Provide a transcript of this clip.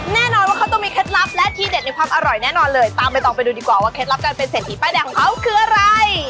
แน่นอนว่าเขาต้องมีเคล็ดลับและที่เด็ดในภาพอร่อยแน่นอนเลยตามไปตอบไปดูดีกว่าเคล็ดลับจะเป็นเสดที่ใบ้แหด่งของเขาคือไง